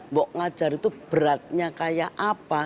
mbok ngajar itu beratnya kayak apa